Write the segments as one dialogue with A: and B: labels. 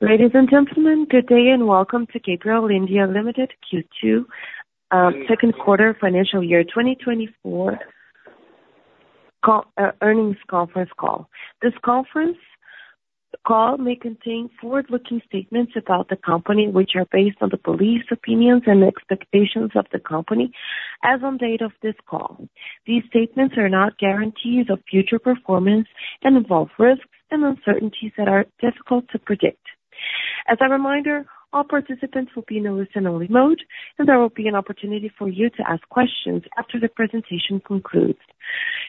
A: Ladies and gentlemen, good day, and welcome to Gabriel India Limited Q2, second quarter financial year, 2024 call, earnings conference call. This conference call may contain forward-looking statements about the company, which are based on the beliefs, opinions, and expectations of the company as on date of this call. These statements are not guarantees of future performance and involve risks and uncertainties that are difficult to predict. As a reminder, all participants will be in a listen-only mode, and there will be an opportunity for you to ask questions after the presentation concludes.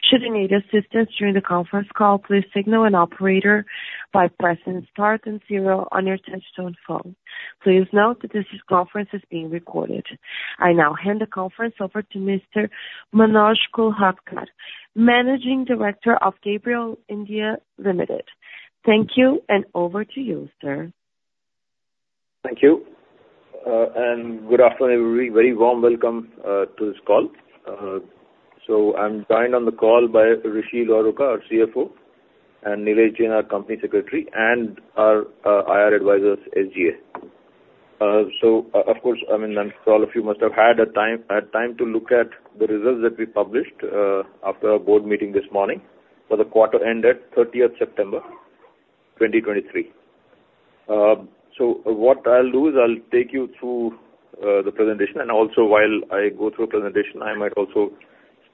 A: Should you need assistance during the conference call, please signal an operator by pressing star and zero on your touchtone phone. Please note that this conference is being recorded. I now hand the conference over to Mr. Manoj Kolhatkar, Managing Director of Gabriel India Limited. Thank you, and over to you, sir.
B: Thank you, and good afternoon, everybody. Very warm welcome to this call. So I'm joined on the call by Rishi Luharuka, our CFO, and Nilesh Jain, our Company Secretary, and our IR advisors, SGA. So of course, I mean, all of you must have had a time, a time to look at the results that we published after our board meeting this morning for the quarter ended 30 September 2023. So what I'll do is I'll take you through the presentation, and also while I go through the presentation, I might also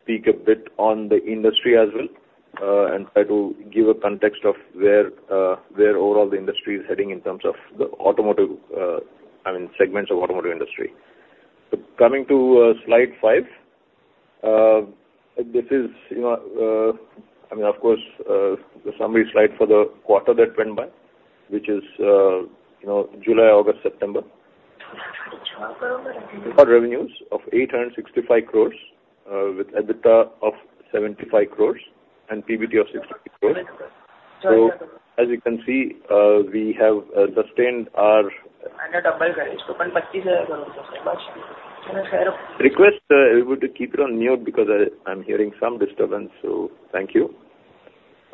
B: speak a bit on the industry as well, and try to give a context of where, where overall the industry is heading in terms of the automotive, I mean, segments of automotive industry. So coming to, slide five, this is, you know, I mean, of course, the summary slide for the quarter that went by, which is, you know, July, August, September. We've got revenues of 865 crores, with EBITDA of 75 crores and PBT of 60 crores. So as you can see, we have, sustained our... Request everybody to keep it on mute because I'm hearing some disturbance. So thank you.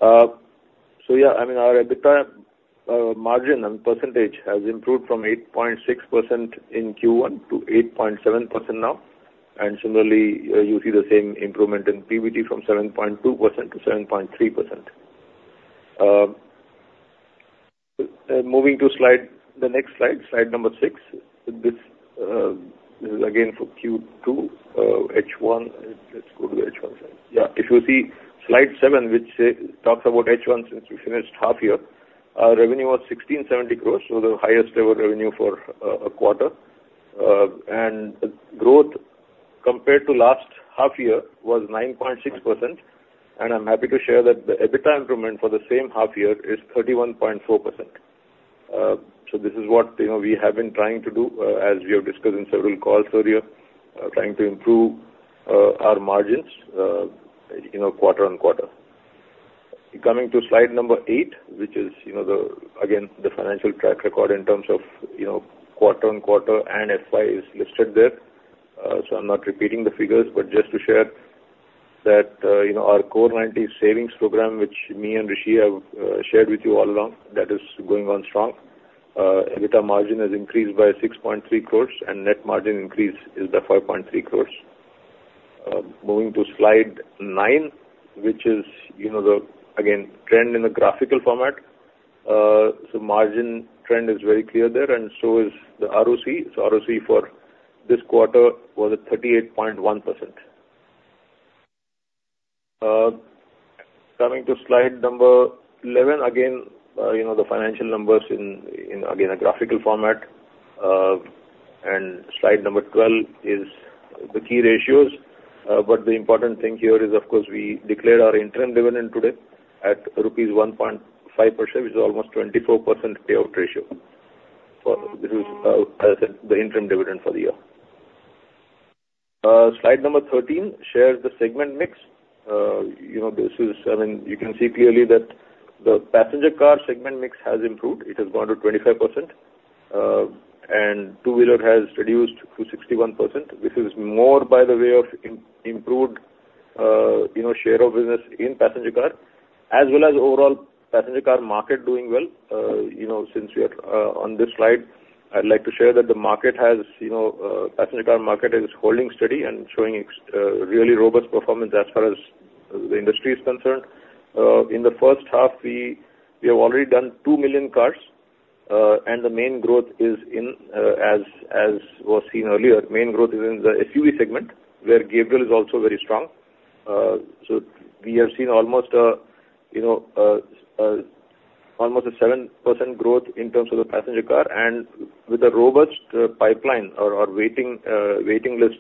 B: So yeah, I mean, our EBITDA margin and percentage has improved from 8.6% in Q1 to 8.7% now, and similarly, you see the same improvement in PBT from 7.2% to 7.3%. Moving to the next slide, slide number 6. This is again for Q2, H1. Let's go to the H1. Yeah, if you see slide 7, which talks about H1, since we finished half year, our revenue was 1,670 crores, so the highest ever revenue for a quarter. Growth compared to last half year was 9.6%, and I'm happy to share that the EBITDA improvement for the same half year is 31.4%. This is what, you know, we have been trying to do, as we have discussed in several calls earlier, trying to improve our margins, you know, quarter-on-quarter. Coming to slide number 8, which is, you know, the, again, the financial track record in terms of, you know, quarter-on-quarter and FY is listed there. I'm not repeating the figures, but just to share that, you know, our Core 90 savings program, which me and Rishi have shared with you all along, that is going on strong. EBITDA margin has increased by 6.3 crores, and net margin increase is 5.3 crores. Moving to slide 9, which is, you know, the, again, trend in the graphical format. So margin trend is very clear there, and so is the ROC. So ROC for this quarter was at 38.1%. Coming to slide number 11, again, you know, the financial numbers in, again, a graphical format. And slide number 12 is the key ratios. But the important thing here is, of course, we declared our interim dividend today at INR 1.5%, which is almost 24% payout ratio. This is, as I said, the interim dividend for the year. Slide number 13 shares the segment mix. You know, this is, I mean, you can see clearly that the passenger car segment mix has improved. It has gone to 25%, and two-wheeler has reduced to 61%. This is more by the way of improved, you know, share of business in passenger car, as well as overall passenger car market doing well. You know, since we are on this slide, I'd like to share that the market has, you know, passenger car market is holding steady and showing really robust performance as far as the industry is concerned. In the first half, we have already done 2 million cars, and the main growth is in, as was seen earlier, main growth is in the SUV segment, where Gabriel is also very strong. So we have seen almost, you know, almost a 7% growth in terms of the passenger car and with a robust, pipeline or waiting list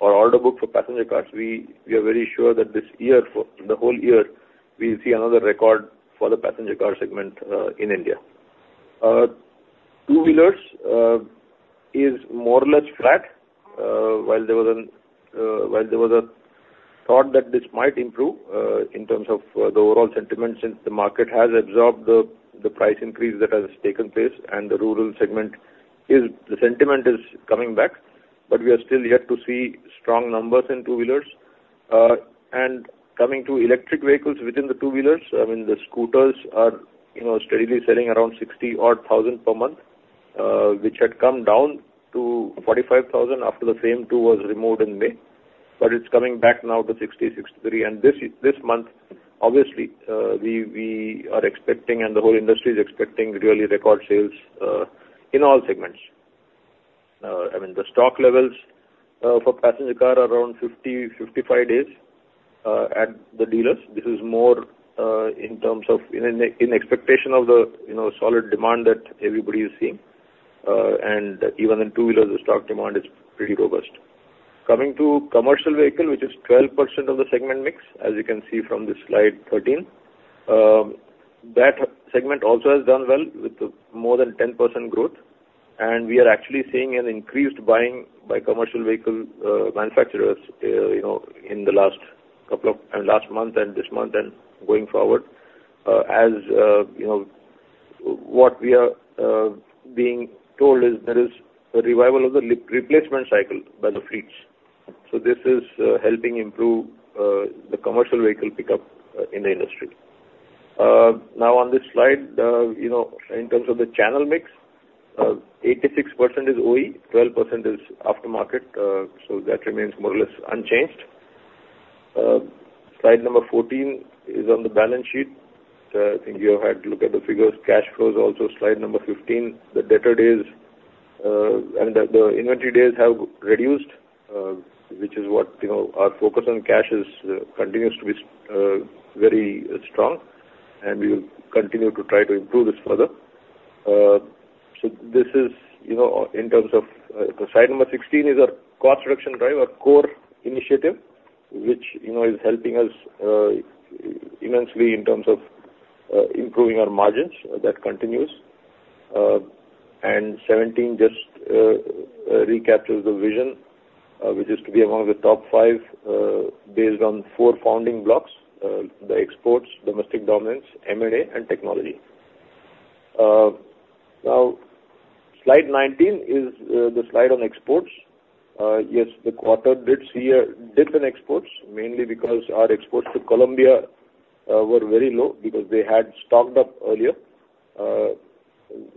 B: or order book for passenger cars, we are very sure that this year, for the whole year, we'll see another record for the passenger car segment, in India. Two-wheelers is more or less flat, while there was a thought that this might improve, in terms of, the overall sentiment, since the market has absorbed the price increase that has taken place and the rural segment is... The sentiment is coming back, but we are still yet to see strong numbers in two-wheelers. And coming to electric vehicles within the two-wheelers, I mean, the scooters are, you know, steadily selling around 60,000 per month, which had come down to 45,000 after the FAME II was removed in May, but it's coming back now to 60-63. And this month, obviously, we are expecting and the whole industry is expecting really record sales in all segments. I mean, the stock levels for passenger car are around 50-55 days at the dealers. This is more in terms of in expectation of the, you know, solid demand that everybody is seeing. And even in two-wheelers, the stock demand is pretty robust. Coming to commercial vehicle, which is 12% of the segment mix, as you can see from the slide 13, that segment also has done well with more than 10% growth, and we are actually seeing an increased buying by commercial vehicle manufacturers, you know, in the last couple of months and last month and this month and going forward. As you know, what we are being told is there is a revival of the replacement cycle by the fleets. So this is helping improve the commercial vehicle pickup in the industry. Now, on this slide, you know, in terms of the channel mix, 86% is OE, 12% is aftermarket, so that remains more or less unchanged. Slide number 14 is on the balance sheet. I think you have had to look at the figures. Cash flows also, slide number 15. The debtor days and the inventory days have reduced, which is what, you know, our focus on cash is, continues to be very strong, and we will continue to try to improve this further. So this is, you know, in terms of, slide number 16 is our cost reduction drive, our core initiative, which, you know, is helping us immensely in terms of improving our margins. That continues. And 17 just recaptures the vision, which is to be among the top 5, based on 4 founding blocks, the exports, domestic dominance, M&A, and technology. Now, slide 19 is the slide on exports. Yes, the quarter did see a dip in exports, mainly because our exports to Colombia were very low because they had stocked up earlier.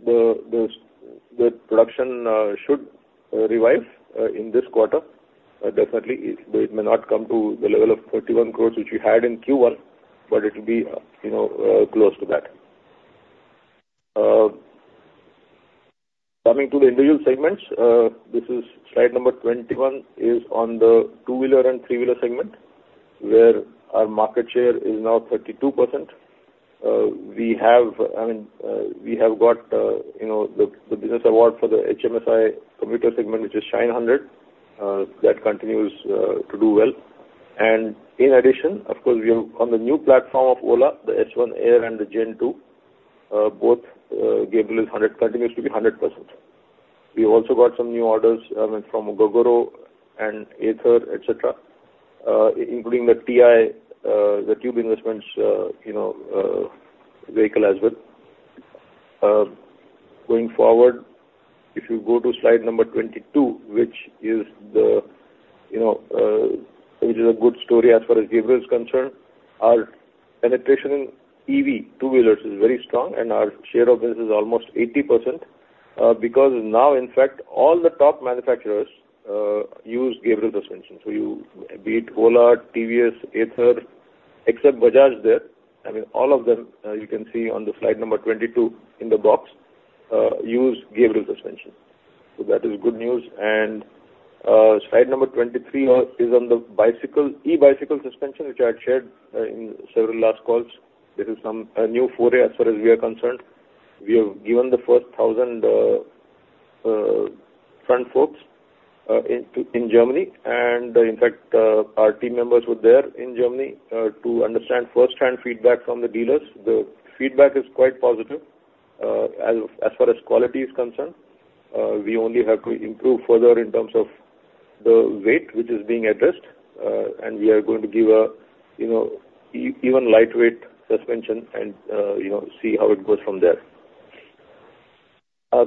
B: The production should revive in this quarter. Definitely, it may not come to the level of 31 crores, which we had in Q1, but it will be, you know, close to that. Coming to the individual segments, this is slide number 21, is on the two-wheeler and three-wheeler segment, where our market share is now 32%. We have, I mean, we have got, you know, the business award for the HMSI commuter segment, which is Shine 100. That continues to do well. In addition, of course, we have on the new platform of Ola, the S1 Air and the Gen 2, both, Gabriel continues to be 100%. We also got some new orders, I mean, from Gogoro and Ather, et cetera, including the TI, the Tube Investments, you know, vehicle as well. Going forward, if you go to slide number 22, which is the, you know, which is a good story as far as Gabriel is concerned, our penetration in EV two wheelers is very strong, and our share of this is almost 80%. Because now, in fact, all the top manufacturers use Gabriel suspension. So you, be it Ola, TVS, Ather, except Bajaj there, I mean, all of them, you can see on the slide number 22 in the box, use Gabriel suspension. So that is good news. Slide number 23 is on the bicycle, e-bicycle suspension, which I had shared in several last calls. This is some, a new foray as far as we are concerned. We have given the first 1,000 front forks in Germany, and in fact, our team members were there in Germany to understand first-hand feedback from the dealers. The feedback is quite positive. As far as quality is concerned, we only have to improve further in terms of the weight, which is being addressed, and we are going to give a, you know, even lightweight suspension and, you know, see how it goes from there.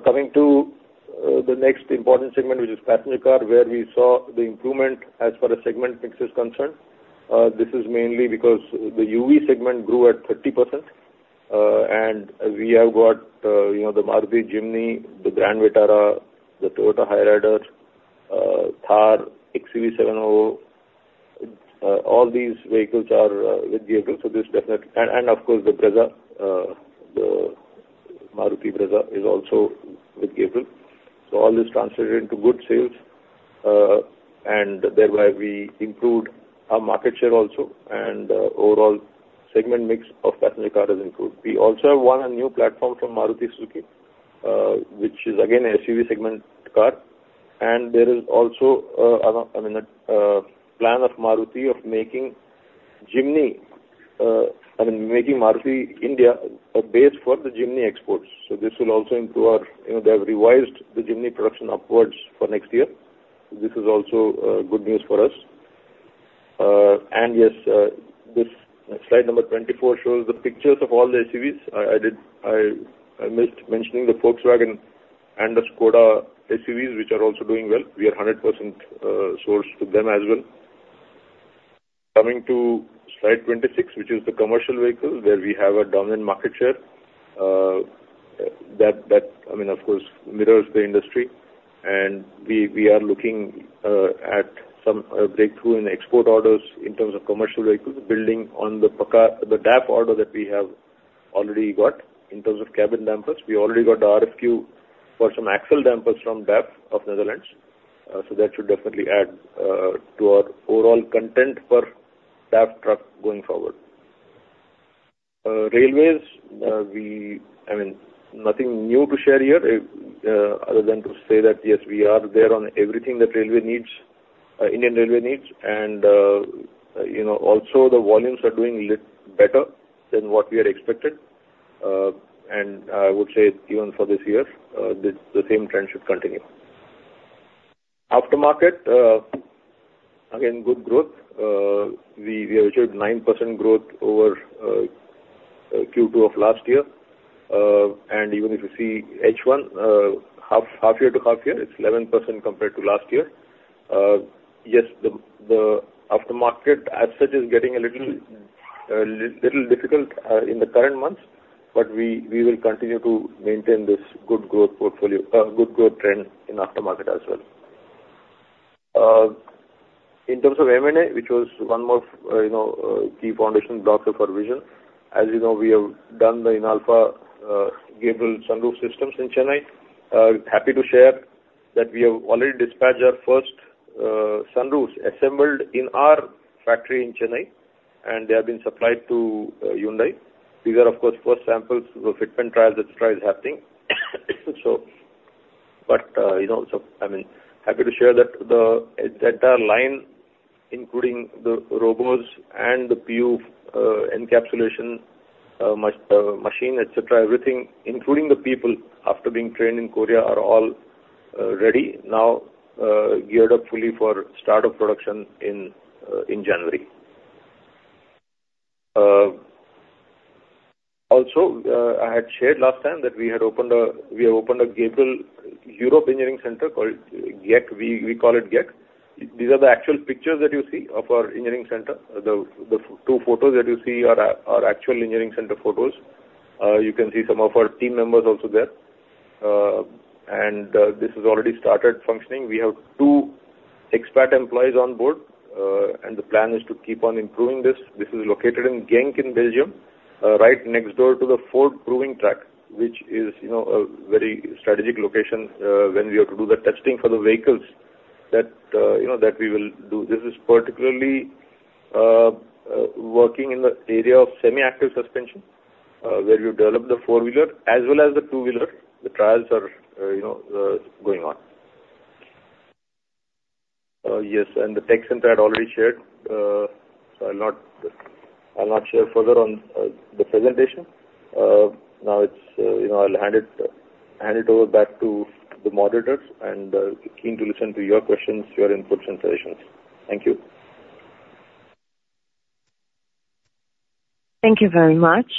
B: Coming to the next important segment, which is passenger car, where we saw the improvement as per segment mix is concerned. This is mainly because the UV segment grew at 30%, and we have got, you know, the Maruti Jimny, the Grand Vitara, the Toyota Hyryder, Thar, XUV700. All these vehicles are with Gabriel, so this definitely, and, of course, the Brezza, the Maruti Brezza is also with Gabriel. So all this translated into good sales, and thereby we improved our market share also, and overall segment mix of passenger car is improved. We also won a new platform from Maruti Suzuki, which is again, a SUV segment car. And there is also, I mean, a plan of Maruti of making Jimny, I mean, making Maruti India a base for the Jimny exports. So this will also improve our, you know, they have revised the Jimny production upwards for next year. This is also good news for us. And yes, this slide number 24 shows the pictures of all the SUVs. I did miss mentioning the Volkswagen... and the Škoda SUVs, which are also doing well. We are 100% source to them as well. Coming to slide 26, which is the commercial vehicle, where we have a dominant market share, that I mean, of course, mirrors the industry. And we are looking at some breakthrough in export orders in terms of commercial vehicles, building on the PACCAR, the DAF order that we have already got in terms of cabin dampers. We already got the RFQ for some axle dampers from DAF of Netherlands. So that should definitely add to our overall content per DAF truck going forward. Railways, I mean, nothing new to share here, other than to say that, yes, we are there on everything that railway needs, Indian Railway needs, and, you know, also the volumes are doing little better than what we had expected. I would say even for this year, the same trend should continue. Aftermarket, again, good growth. We have achieved 9% growth over Q2 of last year. And even if you see H1, half year to half year, it's 11% compared to last year. Yes, the aftermarket as such is getting a little difficult in the current months, but we will continue to maintain this good growth portfolio, good growth trend in aftermarket as well. In terms of M&A, which was one more, you know, key foundation block of our vision. As you know, we have done the Inalfa Gabriel Sunroof Systems in Chennai. Happy to share that we have already dispatched our first sunroofs assembled in our factory in Chennai, and they have been supplied to Hyundai. These are, of course, first samples, the fitment trials, et cetera, is happening. So, but, you know, so I mean, happy to share that the line, including the robots and the PU encapsulation machine, et cetera, everything, including the people, after being trained in Korea, are all ready now, geared up fully for start of production in January. Also, I had shared last time that we had opened a, we have opened a Gabriel Europe Engineering Center, called GEC. We call it GEC. These are the actual pictures that you see of our engineering center. The two photos that you see are actual engineering center photos. You can see some of our team members also there. And this has already started functioning. We have two expat employees on board, and the plan is to keep on improving this. This is located in Genk in Belgium, right next door to the Ford Proving Track, which is, you know, a very strategic location, when we have to do the testing for the vehicles that, you know, that we will do. This is particularly working in the area of Semi-Active Suspension, where you develop the four-wheeler as well as the two-wheeler. The trials are, you know, going on. Yes, and the tech center I'd already shared, so I'll not, I'll not share further on the presentation. Now it's, you know, I'll hand it, hand it over back to the moderators, and keen to listen to your questions, your inputs and suggestions. Thank you.
A: Thank you very much.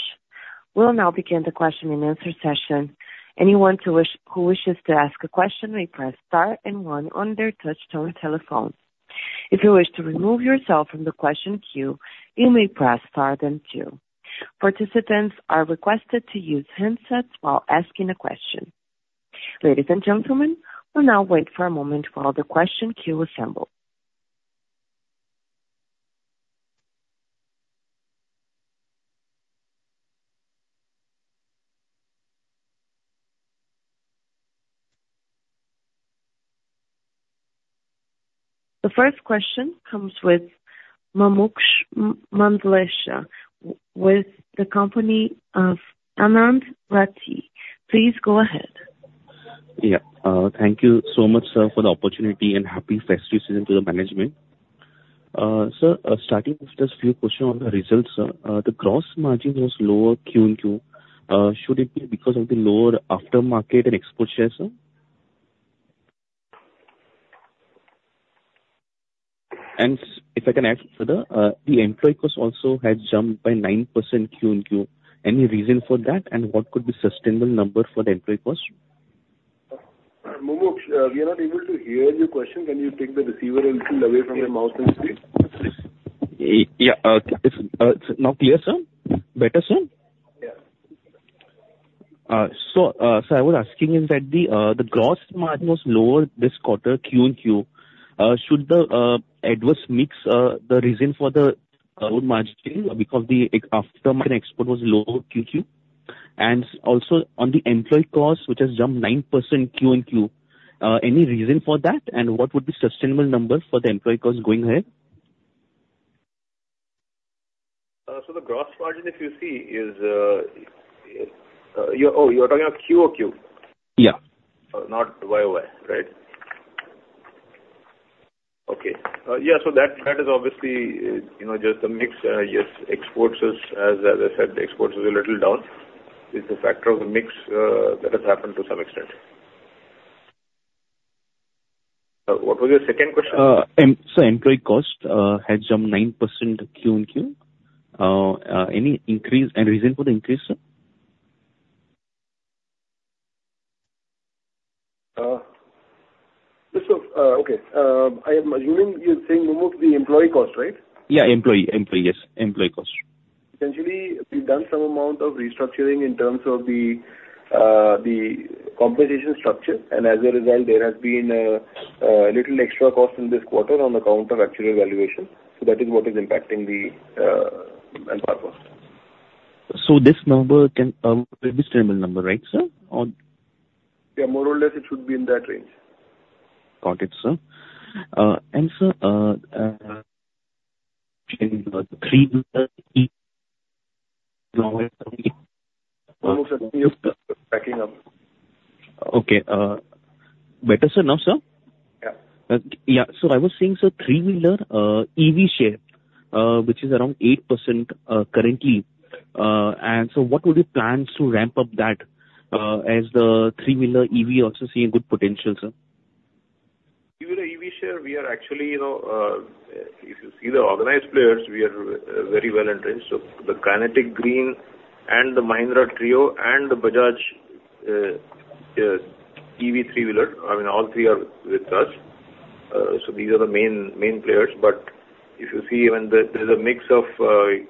A: We'll now begin the question and answer session. Anyone who wishes to ask a question may press star and one on their touchtone telephone. If you wish to remove yourself from the question queue, you may press star then two. Participants are requested to use handsets while asking a question. Ladies and gentlemen, we'll now wait for a moment while the question queue assembles. The first question comes with Mamukh M. Mandlesha with the company of Anand Rathi. Please go ahead.
C: Yeah. Thank you so much, sir, for the opportunity, and happy festive season to the management. Sir, starting with just a few questions on the results, sir. The gross margin was lower QnQ. Should it be because of the lower aftermarket and export share, sir? And if I can ask further, the employee cost also had jumped by 9% QnQ. Any reason for that? And what could be sustainable number for the employee cost?
B: Mamukh, we are not able to hear your question. Can you take the receiver a little away from your mouth, please?
C: Yeah, it's now clear, sir? Better, sir.
B: Yeah.
C: So, I was asking, is that the gross margin was lower this quarter, QnQ? Should the adverse mix the reason for the lower margin, because the aftermarket export was lower QQ? And also, on the employee cost, which has jumped 9% QnQ, any reason for that? And what would be sustainable numbers for the employee cost going ahead?
B: So the gross margin, if you see, is... Oh, you're talking of QOQ?
C: Yeah.
B: Not YOY, right? Okay. Yeah, so that, that is obviously, you know, just the mix. Yes, exports is, as, as I said, the exports is a little down. It's a factor of the mix, that has happened to some extent. Sir, what was your second question?
C: So, employee cost has jumped 9% Q-o-Q. Any increase, any reason for the increase, sir?
B: Yes, sir. Okay. I am assuming you're saying more of the employee cost, right?
C: Yeah, employee. Yes, employee cost.
B: Essentially, we've done some amount of restructuring in terms of the compensation structure, and as a result, there has been little extra cost in this quarter on account of actual valuation. So that is what is impacting the employee cost.
C: So this number can be a sustainable number, right, sir? Or-
B: Yeah, more or less, it should be in that range.
C: Got it, sir. And sir, in three.
B: Almost inaudible backing up.
C: Okay. Better, sir? Now, sir?
B: Yeah.
C: Yeah. So I was saying, sir, three-wheeler EV share, which is around 8%, currently. And so what would be plans to ramp up that, as the three-wheeler EV also seeing good potential, sir?
B: Three-wheeler EV share, we are actually, you know, if you see the organized players, we are very well entrenched. So the Kinetic Green and the Mahindra Treo and the Bajaj EV three-wheeler, I mean, all three are with us. So these are the main, main players. But if you see even the, there's a mix of,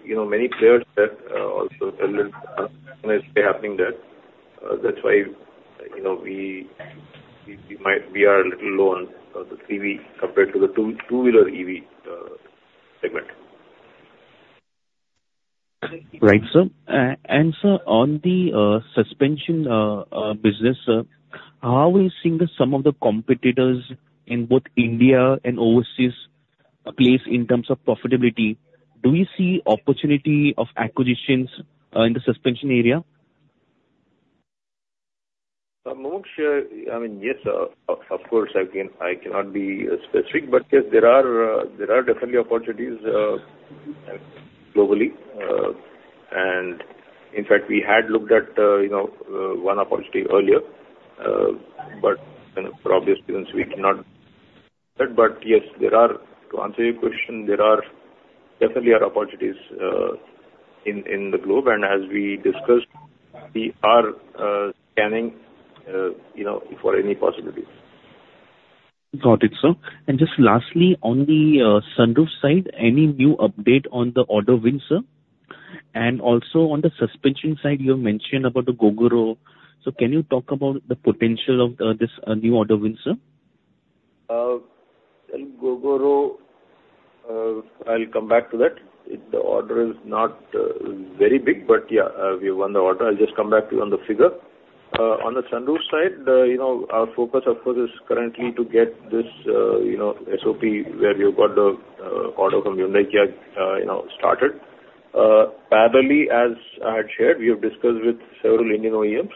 B: you know, many players that also a little happening there. That's why, you know, we, we, we might, we are a little low on, on the 3V compared to the two, two-wheeler EV segment.
C: Right, sir. And sir, on the suspension business, sir, how are we seeing some of the competitors in both India and overseas, a place in terms of profitability? Do you see opportunity of acquisitions in the suspension area?
B: I'm not sure. I mean, yes, of course, I can, I cannot be specific, but yes, there are there are definitely opportunities globally. And in fact, we had looked at you know one opportunity earlier, but you know, for obvious reasons, we cannot said. But yes, there are... To answer your question, there are definitely are opportunities in the globe, and as we discussed, we are scanning you know for any possibilities.
C: Got it, sir. And just lastly, on the sunroof side, any new update on the order win, sir? And also, on the suspension side, you have mentioned about the Gogoro. So can you talk about the potential of this new order win, sir?
B: Well, Gogoro, I'll come back to that. It, the order is not very big, but yeah, we won the order. I'll just come back to you on the figure. On the Sunroof side, you know, our focus, of course, is currently to get this, you know, SOP, where we've got the order from Hyundai, you know, started. Parallelly, as I had shared, we have discussed with several Indian OEMs.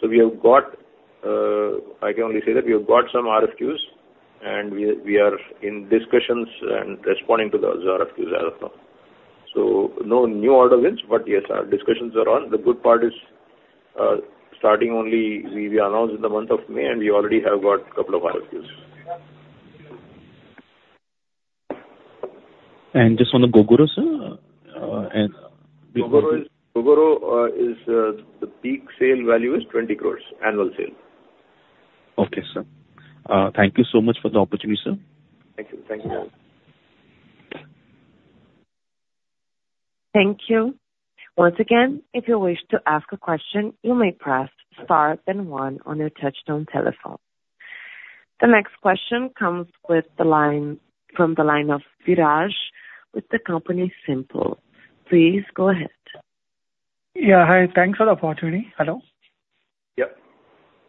B: So we have got, I can only say that we have got some RFQs, and we are in discussions and responding to those RFQs as of now. So no new order wins, but yes, our discussions are on. The good part is, starting only, we announced in the month of May, and we already have got couple of RFQs.
C: Just on the Gogoro, sir, and-
B: Gogoro, Gogoro, is the peak sale value is 20 crore, annual sale.
C: Okay, sir. Thank you so much for the opportunity, sir.
B: Thank you. Thank you.
A: Thank you. Once again, if you wish to ask a question, you may press star then one on your touchtone telephone. The next question comes from the line of Viraj with the company SiMPL. Please go ahead.
D: Yeah, hi. Thanks for the opportunity. Hello?
B: Yeah.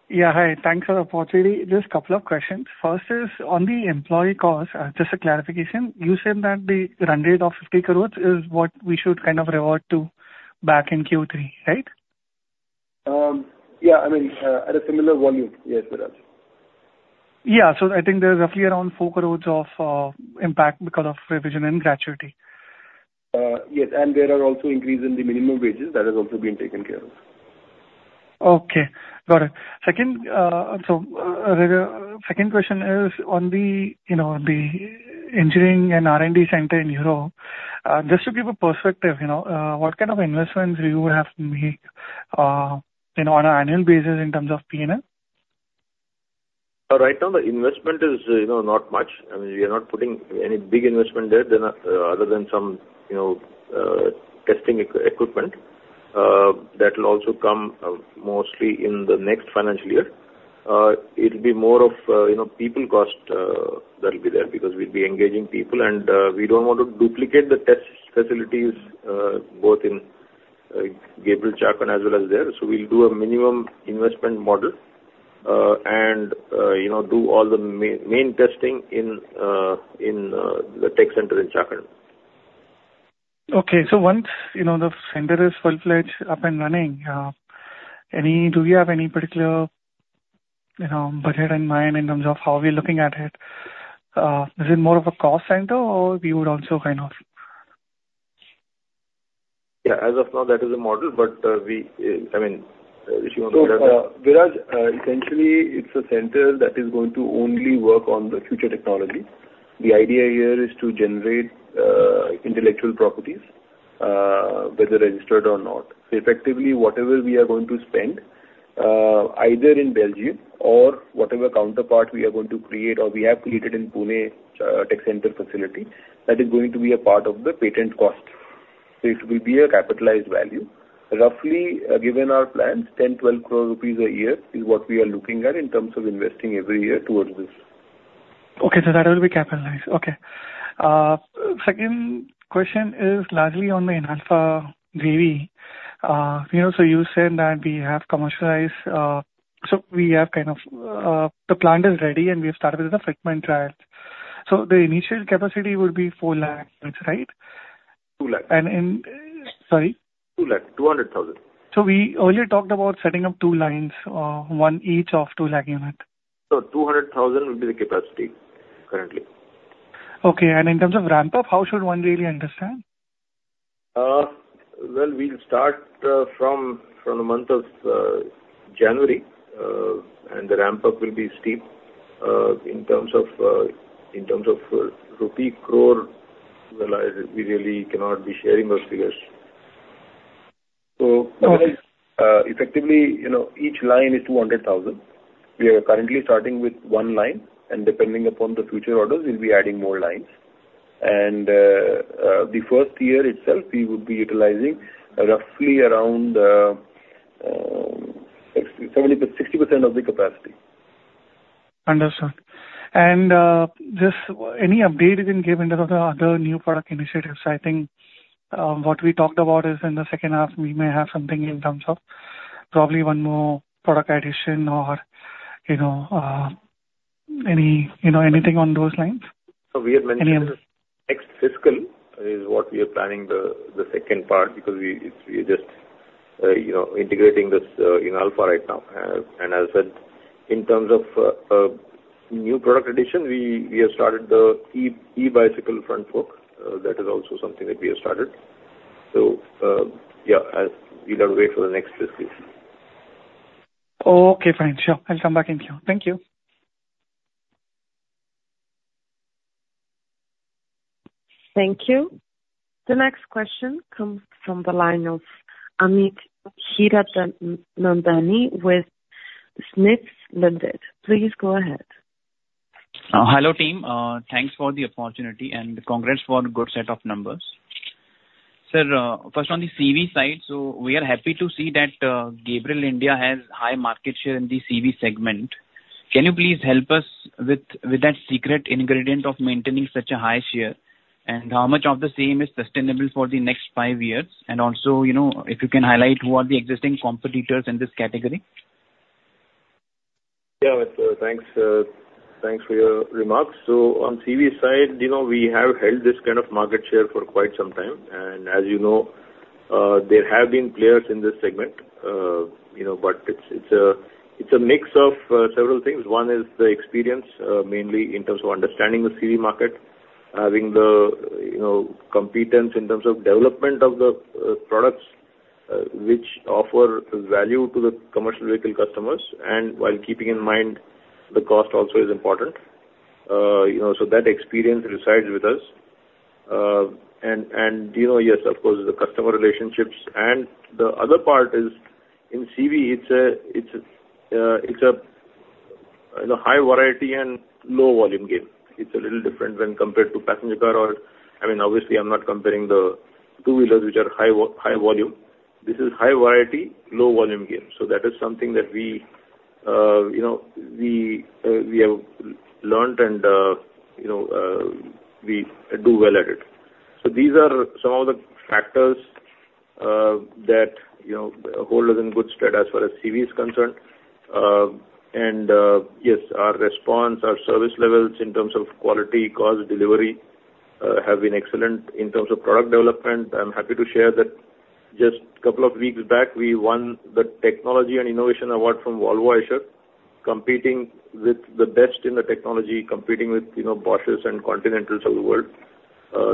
D: Yeah. Hi, thanks for the opportunity. Just couple of questions. First is on the employee cost, just a clarification, you said that the run rate of 50 crores is what we should kind of revert to back in Q3, right?
B: Yeah, I mean, at a similar volume. Yes, Viraj.
D: Yeah. So I think there is roughly around 4 crore of impact because of revision in gratuity.
B: Yes, and there are also increases in the minimum wages. That has also been taken care of.
D: Okay, got it. Second, so, second question is on the, you know, the engineering and R&D center in Europe. Just to give a perspective, you know, what kind of investments you would have to make, you know, on an annual basis in terms of P&L?
B: Right now, the investment is, you know, not much. I mean, we are not putting any big investment there than other than some, you know, testing equipment, that will also come, mostly in the next financial year. It'll be more of, you know, people cost, that will be there, because we'll be engaging people, and, we don't want to duplicate the test facilities, both in Gabriel Chakan, as well as there. So we'll do a minimum investment model, and, you know, do all the main testing in, in, the tech center in Chakan.
D: Okay. So once, you know, the center is full-fledged, up and running, any, do you have any particular, you know, budget in mind in terms of how we're looking at it? Is it more of a cost center, or we would also kind of-
B: Yeah, as of now, that is the model, but, we, I mean, if you want to— So, Viraj, essentially, it's a center that is going to only work on the future technology. The idea here is to generate, intellectual properties, whether registered or not. So effectively, whatever we are going to spend, either in Belgium or whatever counterpart we are going to create or we have created in Pune, tech center facility, that is going to be a part of the patent cost. So it will be a capitalized value. Roughly, given our plans, 10 crore-12 crore rupees a year is what we are looking at in terms of investing every year towards this.
D: Okay, so that will be capitalized. Okay. Second question is largely on the Inalfa JV. So you said that we have commercialized, so we have kind of, the plant is ready and we have started with the segment trials. So the initial capacity would be 400,000 units, right?
B: Two lakh.
D: Sorry?
B: 2 lakh, 200 thousand.
D: We earlier talked about setting up two lines, one each of 200,000 unit.
B: 200,000 would be the capacity currently.
D: Okay, and in terms of ramp up, how should one really understand?
B: Well, we'll start from the month of January, and the ramp up will be steep in terms of rupee crore. Well, we really cannot be sharing those figures. So, effectively, you know, each line is 200,000. We are currently starting with 1 line, and depending upon the future orders, we'll be adding more lines. The first year itself, we would be utilizing roughly around 60, 70, 60% of the capacity.
D: Understood. Just any update you can give in terms of the other new product initiatives? I think, what we talked about is in the second half, we may have something in terms of probably one more product addition or, you know, any, you know, anything on those lines?
B: So we have mentioned.
D: Any of this.
B: Next fiscal is what we are planning the second part, because we just, you know, integrating this Inalfa right now. And as I said, in terms of new product addition, we have started the e-bicycle front fork. That is also something that we have started. So, yeah, you got to wait for the next discussion.
D: Okay, fine. Sure. I'll come back in here. Thank you.
A: Thank you. The next question comes from the line of Amit Hiranandani with SMIFS Ltd. Please go ahead.
E: Hello, team. Thanks for the opportunity, and congrats for a good set of numbers. Sir, first on the CV side, so we are happy to see that Gabriel India has high market share in the CV segment. Can you please help us with that secret ingredient of maintaining such a high share? And how much of the same is sustainable for the next five years? And also, you know, if you can highlight who are the existing competitors in this category.
B: Yeah, Amit, thanks for your remarks. So on CV side, you know, we have held this kind of market share for quite some time, and as you know, there have been players in this segment, you know, but it's a mix of several things. One is the experience, mainly in terms of understanding the CV market, having the, you know, competence in terms of development of the products, which offer value to the commercial vehicle customers, and while keeping in mind, the cost also is important. You know, so that experience resides with us. And you know, yes, of course, the customer relationships. And the other part is in CV, it's a high variety and low volume game. It's a little different when compared to passenger car or... I mean, obviously, I'm not comparing the two-wheelers, which are high volume. This is high variety, low volume game. So that is something that we, you know, we have learnt and, you know, we do well at it. So these are some of the factors, that, you know, hold us in good stead as far as CV is concerned. And, yes, our response, our service levels in terms of quality, cost, delivery, have been excellent. In terms of product development, I'm happy to share that just a couple of weeks back, we won the Technology and Innovation Award from Volvo Eicher, competing with the best in the technology, competing with, you know, Bosches and Continentals of the world.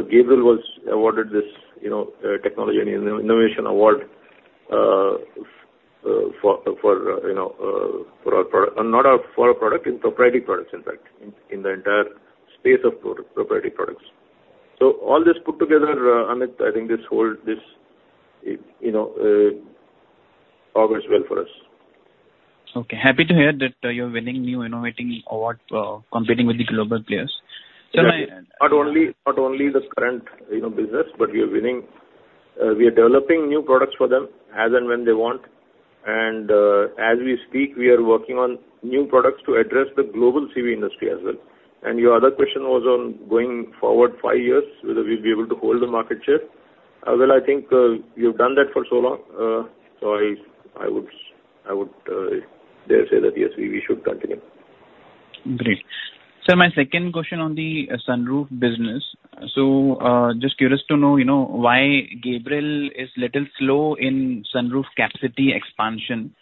B: Gabriel was awarded this, you know, Technology and Innovation Award, for our product—not our, for our product, in proprietary products, in fact, in the entire space of proprietary products. So all this put together, Amit, I think this whole, this, it, you know, augurs well for us.
E: Okay, happy to hear that, you're winning new innovation award, competing with the global players. So my-
B: Not only, not only the current, you know, business, but we are winning, we are developing new products for them as and when they want. And, as we speak, we are working on new products to address the global CV industry as well. And your other question was on going forward five years, whether we'll be able to hold the market share. Well, I think, you've done that for so long, so I would dare say that, yes, we should continue.
E: Great. Sir, my second question on the sunroof business. So, just curious to know, you know, why Gabriel is little slow in sunroof capacity expansion?...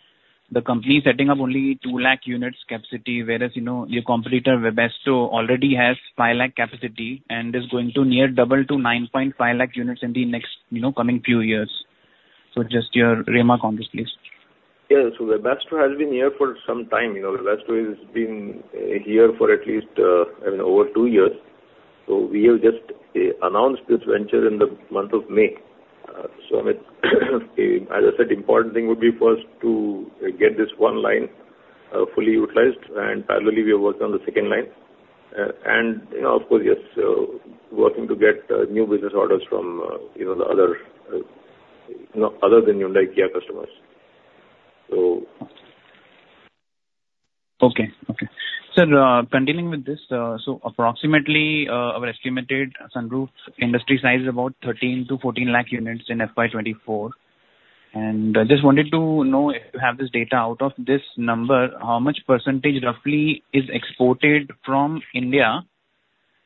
E: the company is setting up only 200,000 units capacity, whereas, you know, your competitor, Webasto, already has 500,000 capacity and is going to near double to 950,000 units in the next, you know, coming few years. So just your remark on this, please.
B: Yes, so Webasto has been here for some time. You know, Webasto has been here for at least, I mean, over two years. So we have just announced this venture in the month of May. So, as I said, important thing would be first to get this one line fully utilized, and parallelly, we are working on the second line. And, you know, of course, yes, so working to get new business orders from, you know, the other, you know, other than our Hyundai Kia customers. So-
E: Okay. Okay. Sir, continuing with this, so approximately, our estimated sunroof industry size is about 13-14 lakh units in FY 2024. And I just wanted to know if you have this data out of this number, how much percentage roughly is exported from India?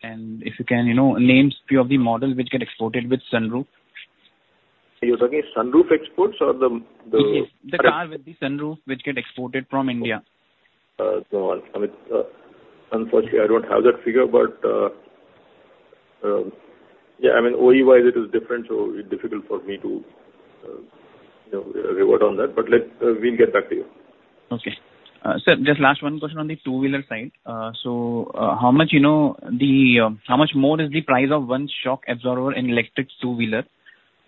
E: And if you can, you know, name few of the models which get exported with sunroof.
B: You're talking sunroof exports or the, the-
E: Yes. The car with the sunroof, which get exported from India.
B: So, Amit, unfortunately, I don't have that figure, but yeah, I mean, OE-wise, it is different, so it's difficult for me to, you know, revert on that, but we'll get back to you.
E: Okay. Sir, just last one question on the two-wheeler side. How much more is the price of one shock absorber in electric two-wheeler?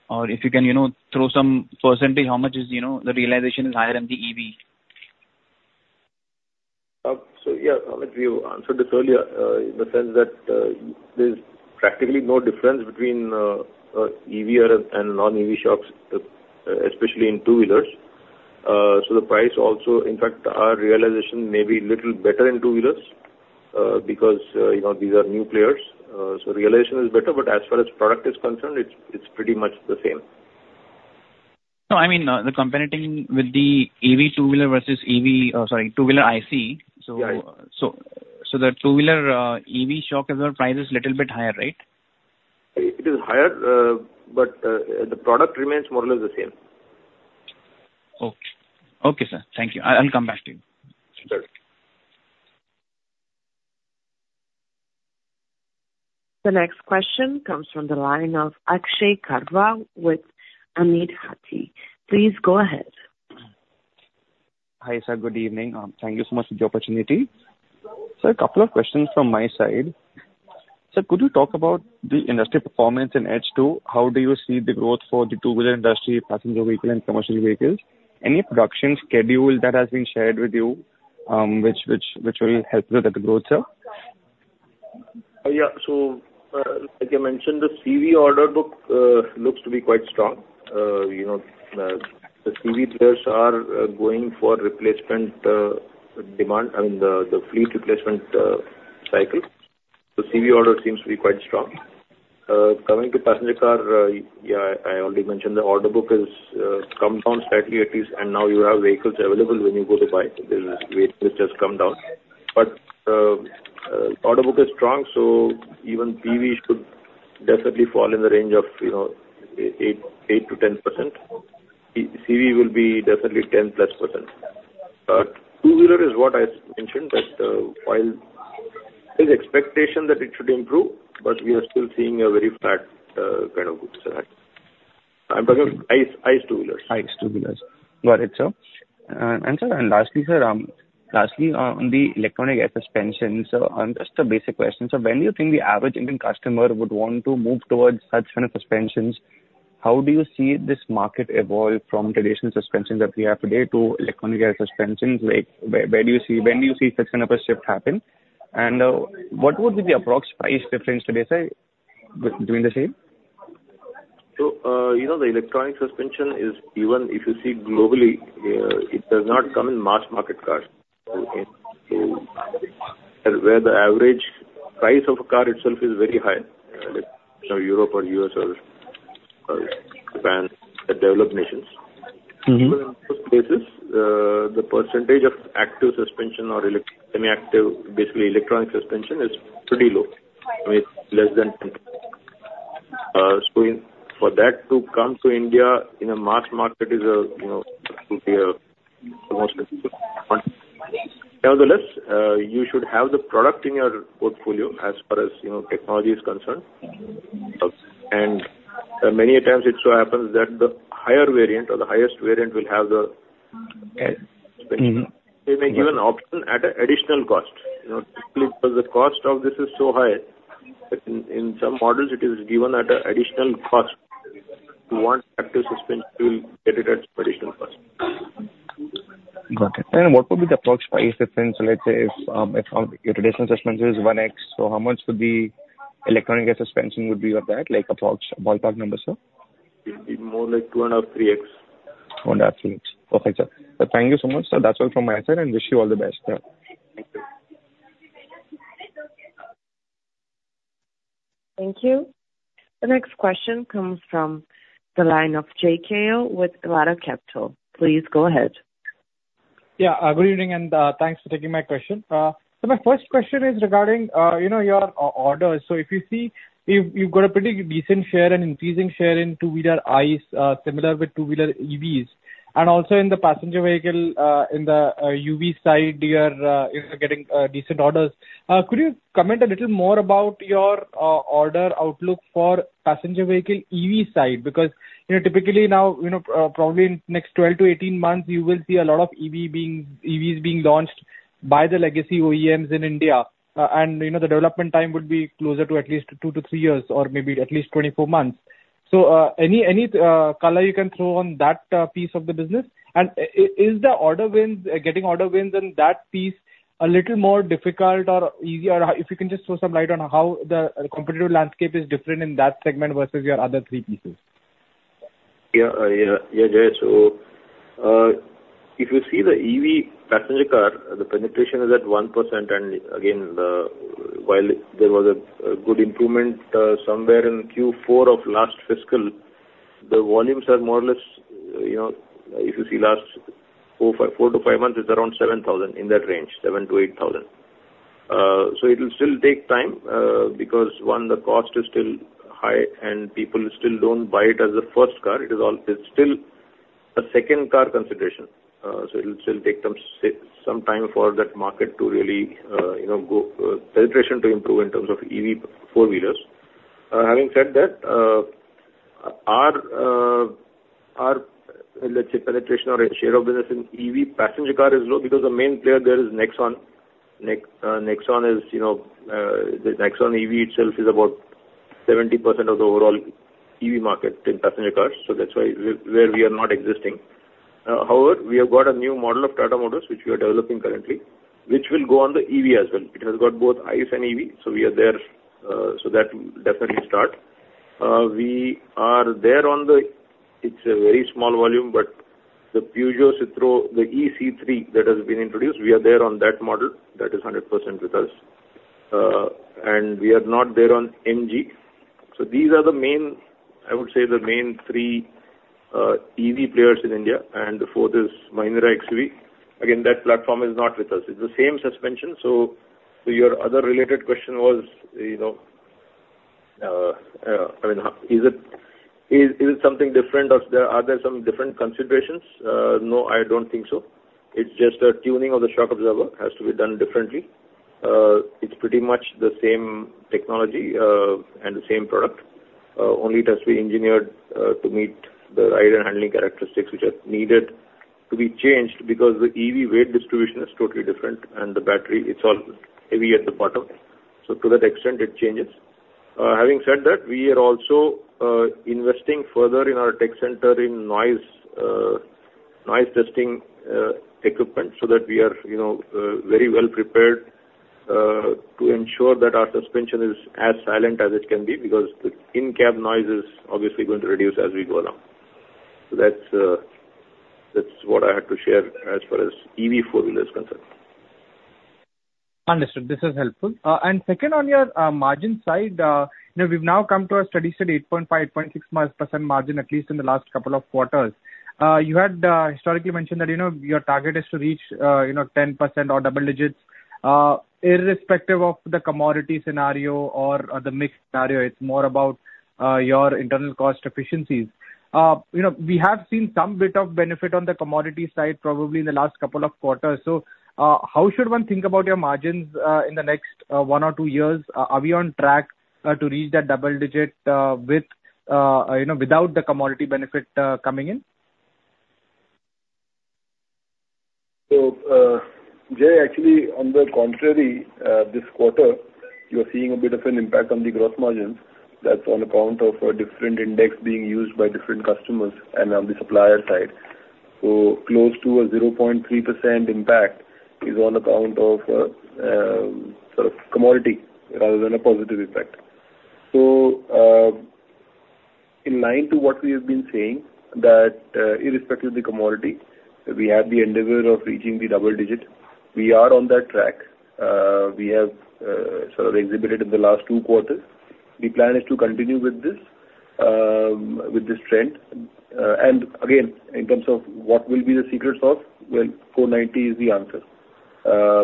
E: Or if you can, you know, throw some percentage, how much is, you know, the realization is higher in the EV?
B: So yeah, Amit, we answered this earlier, in the sense that, there's practically no difference between EV and non-EV shocks, especially in two-wheelers. So the price also, in fact, our realization may be little better in two-wheelers, because, you know, these are new players. So realization is better, but as far as product is concerned, it's pretty much the same.
E: No, I mean, the comparison with the EV two-wheeler versus EV, sorry, two-wheeler IC.
B: Yeah.
E: So, the two-wheeler EV shock absorber price is little bit higher, right?
B: It is higher, but the product remains more or less the same.
E: Okay. Okay, sir. Thank you. I, I'll come back to you.
B: Sure.
A: The next question comes from the line of Akshay Karwa with Amit Hati. Please go ahead.
F: Hi, sir. Good evening. Thank you so much for the opportunity. Sir, a couple of questions from my side. Sir, could you talk about the industry performance in H2? How do you see the growth for the two-wheeler industry, passenger vehicle, and commercial vehicles? Any production schedule that has been shared with you, which will help with the growth, sir?
B: Yeah. So, like I mentioned, the CV order book looks to be quite strong. You know, the CV players are going for replacement demand, I mean, the fleet replacement cycle. So CV order seems to be quite strong. Coming to passenger car, yeah, I already mentioned the order book is come down slightly at least, and now you have vehicles available when you go to buy. The waitlist has come down. But order book is strong, so even PV should definitely fall in the range of, you know, 8, 8-10%. E-CV will be definitely 10%+. Two-wheeler is what I mentioned, that while there's expectation that it should improve, but we are still seeing a very flat kind of good sell. I'm talking ICE, ICE two-wheelers.
F: ICE two-wheelers. Got it, sir. And sir, lastly, sir, on the electronic air suspension, so, just a basic question. So when do you think the average Indian customer would want to move towards such kind of suspensions? How do you see this market evolve from traditional suspensions that we have today to electronic air suspensions? Like, where do you see. When do you see such kind of a shift happen? And, what would be the approx price difference today, sir, between the same?
B: So, you know, the electronic suspension is, even if you see globally, it does not come in mass market cars. So, where the average price of a car itself is very high, you know, Europe or U.S. or, or Japan, the developed nations. Even in those places, the percentage of active suspension or semi-active, basically electronic suspension, is pretty low. I mean, less than 10%. So in, for that to come to India in a mass market is, you know, will be a most difficult one. Nevertheless, you should have the product in your portfolio as far as, you know, technology is concerned. And, many a times it so happens that the higher variant or the highest variant will have the air suspension. They may give an option at an additional cost. You know, simply because the cost of this is so high, in some models, it is given at an additional cost. You want active suspension, you will get it at additional cost.
F: Got it. And what would be the approx price difference, let's say, if your traditional suspension is one X, so how much could be electronic air suspension would be of that? Like approx, ballpark number, sir.
B: It will be more like 2.5-3x.
F: 2.5, 3x. Okay, sir. Thank you so much, sir. That's all from my side, and wish you all the best, sir. Thank you.
A: Thank you. The next question comes from the line of J.K.L. with ELara Capital. Please go ahead.
G: Yeah, good evening, and thanks for taking my question. So my first question is regarding, you know, your orders. So if you see, you've got a pretty decent share and increasing share in two-wheeler ICE, similar with two-wheeler EVs, and also in the passenger vehicle, in the UV side, you are getting decent orders. Could you comment a little more about your order outlook for passenger vehicle EV side? Because, you know, typically now, you know, probably in next 12-18 months, you will see a lot of EV being, EVs being launched by the legacy OEMs in India. And, you know, the development time would be closer to at least 2-3 years, or maybe at least 24 months. So, any color you can throw on that piece of the business? And is the order wins, getting order wins in that piece a little more difficult or easier? Or if you can just throw some light on how the competitive landscape is different in that segment versus your other three pieces?
B: Yeah. Yeah, Jay, so if you see the EV passenger car, the penetration is at 1%, and again, while there was a good improvement somewhere in Q4 of last fiscal, the volumes are more or less, you know, if you see last four to five months, it's around 7,000, in that range, 7,000-8,000. So it will still take time because, one, the cost is still high, and people still don't buy it as a first car. It is all, it's still a second car consideration. So it'll still take some time for that market to really, you know, go, penetration to improve in terms of EV four-wheelers. Having said that, our penetration or share of business in EV passenger car is low because the main player there is Nexon. Nexon is, you know, the Nexon EV itself is about 70% of the overall EV market in passenger cars, so that's why, where we are not existing. However, we have got a new model of Tata Motors, which we are developing currently, which will go on the EV as well. It has got both ICE and EV, so we are there, so that will definitely start. We are there on it. It's a very small volume, but the Peugeot Citroën eC3 that has been introduced, we are there on that model. That is 100% with us. And we are not there on MG. So these are the main, I would say, the main three, EV players in India, and the fourth is Mahindra XUV. Again, that platform is not with us. It's the same suspension, so, so your other related question was, you know, I mean, how, is it, is, is it something different, or are there some different considerations? No, I don't think so. It's just a tuning of the shock absorber, has to be done differently. It's pretty much the same technology, and the same product. Only it has to be engineered, to meet the ride and handling characteristics, which are needed to be changed because the EV weight distribution is totally different, and the battery, it's all heavy at the bottom. So to that extent, it changes. Having said that, we are also investing further in our tech center in noise testing equipment, so that we are, you know, very well prepared to ensure that our suspension is as silent as it can be, because the in-cab noise is obviously going to reduce as we go along. So that's what I had to share as far as EV four-wheeler is concerned.
G: Understood. This is helpful. And second, on your margin side, you know, we've now come to a steady state, 8.5-6% margin, at least in the last couple of quarters. You had historically mentioned that, you know, your target is to reach, you know, 10% or double digits, irrespective of the commodity scenario or the mix scenario. It's more about your internal cost efficiencies. You know, we have seen some bit of benefit on the commodity side, probably in the last couple of quarters. So, how should one think about your margins in the next 1 or 2 years? Are we on track to reach that double digit with, you know, without the commodity benefit coming in?
B: So, Jay, actually, on the contrary, this quarter, you're seeing a bit of an impact on the gross margins. That's on account of a different index being used by different customers and on the supplier side. So close to a 0.3% impact is on account of, sort of commodity rather than a positive effect. So, in line to what we have been saying, that, irrespective of the commodity, we have the endeavor of reaching the double digit. We are on that track. We have, sort of exhibited in the last two quarters. The plan is to continue with this, with this trend. And again, in terms of what will be the secrets of, well, Core 90 is the answer,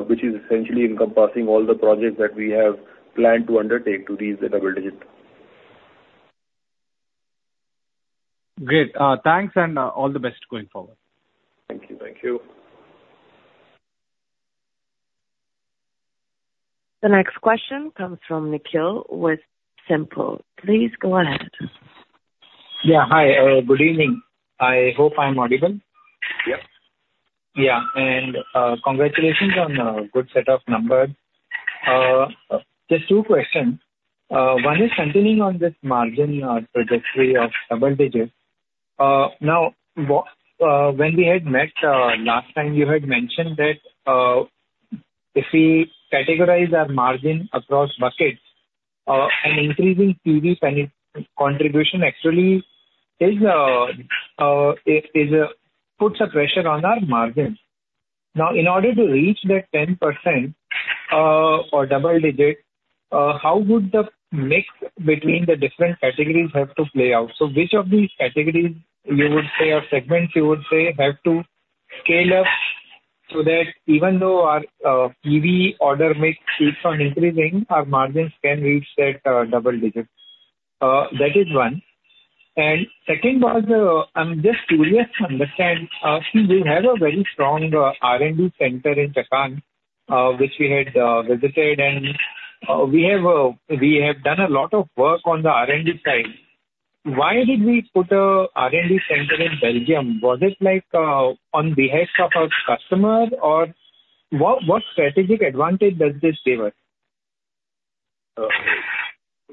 B: which is essentially encompassing all the projects that we have planned to undertake to reach the double digit.
G: Great. Thanks, and all the best going forward.
B: Thank you. Thank you.
A: The next question comes from Nikhil with SiMPL. Please go ahead.
D: Yeah, hi. Good evening. I hope I'm audible.
B: Yep.
D: Yeah, congratulations on a good set of numbers. Just two questions. One is continuing on this margin trajectory of double digits. Now, when we had met last time, you had mentioned that if we categorize our margin across buckets, an increase in TV spend contribution actually puts a pressure on our margins. Now, in order to reach that 10% or double digit, how would the mix between the different categories have to play out? So which of these categories or segments would you say have to scale up? So that even though our PV order mix keeps on increasing, our margins can reach that double digits. That is one. And second was, I'm just curious to understand, see, we have a very strong R&D center in Chakan, which we had visited, and we have done a lot of work on the R&D side. Why did we put a R&D center in Belgium? Was it like on behalf of our customer, or what, what strategic advantage does this give us?
B: You